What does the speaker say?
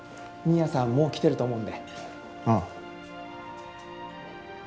新谷さん、もう来てると思ううん。